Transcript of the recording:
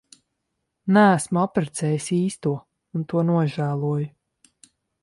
Neesmu apprecējis īsto un to nožēloju.